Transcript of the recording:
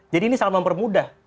jadi ini sangat mempermudah